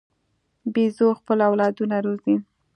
بیزو خپل اولادونه روزي.